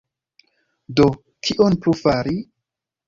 Do, kion plu fari?